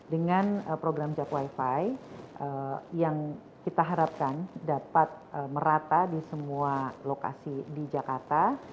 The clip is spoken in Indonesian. dengan program jak wifi yang kita harapkan dapat merata di semua lokasi di jakarta